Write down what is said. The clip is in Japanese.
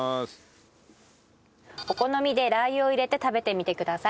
お好みでラー油を入れて食べてみてください。